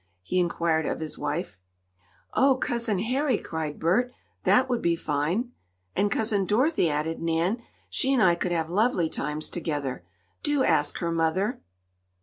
he inquired of his wife. "Oh, Cousin Harry!" cried Bert. "That would be fine!" "And Cousin Dorothy!" added Nan. "She and I could have lovely times together. Do ask her, mother!"